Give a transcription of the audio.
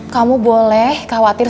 kamu boleh khawatir